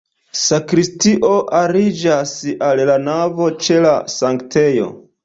Sakristio aliĝas al la navo ĉe la sanktejo.